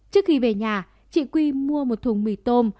trước khi về nhà chị quy mua một thùng mì tôm